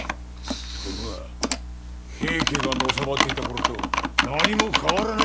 ところが平家がのさばっていた頃と何も変わらないじゃねえか。